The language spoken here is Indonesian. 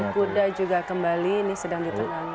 sang kuda juga kembali ini sedang ditenangkan